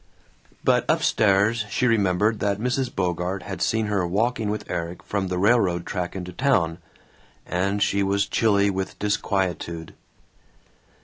But up stairs she remembered that Mrs. Bogart had seen her walking with Erik from the railroad track into town, and she was chilly with disquietude.